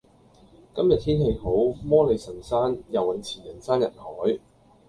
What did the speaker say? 今日天氣好，摩理臣山游泳池人山人海。